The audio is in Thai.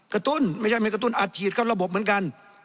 กระตุ้นไม่ใช่ไม่กระตุ้นอาจฉีดเข้าระบบเหมือนกัน